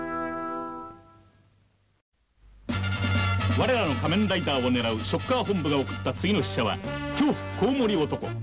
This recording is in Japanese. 我らの仮面ライダーを狙うショッカー本部が送った次の使者は「恐怖蝙蝠男」。